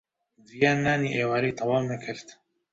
ڤیان نانی ئێوارەی تەواو نەکرد.